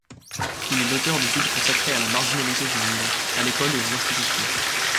Il est l'auteur d'études consacrées à la marginalité juvénile, à l'école et aux institutions.